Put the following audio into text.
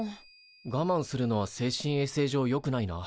がまんするのは精神衛生上よくないな。